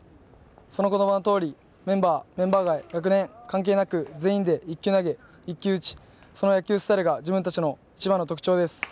その言葉の通り、メンバーメンバー外、学年関係なく一球投げ一球打ちその野球スタイルが自分たちの一番の特徴です。